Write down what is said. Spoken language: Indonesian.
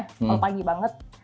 kalau pagi banget